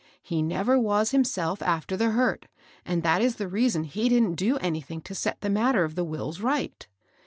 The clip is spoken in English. He never was himself after the hurt, and that is the reason he didn't do anything to set the matter of the wills right.